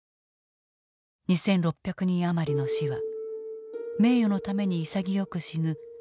２，６００人余りの死は名誉のために潔く死ぬ玉砕と美化された。